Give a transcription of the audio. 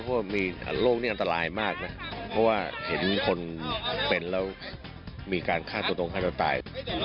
ตัวตรงให้ไปปลาย